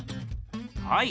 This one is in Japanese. はい。